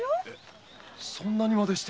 そんなにまでして。